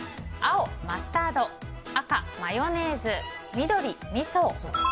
青、マスタード赤、マヨネーズ緑、みそ。